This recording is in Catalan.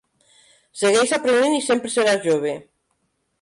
Segueix aprenent i sempre seràs jove.